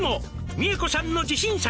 「美恵子さんの自信作